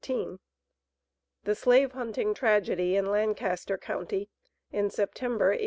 THE SLAVE HUNTING TRAGEDY IN LANCASTER COUNTY, IN SEPTEMBER, 1851.